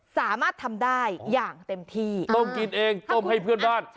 สามารถทำได้อย่างเต็มที่ต้มกินเองต้มให้เพื่อนบ้าน